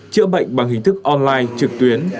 chữa bệnh bằng hình thức online trực tuyến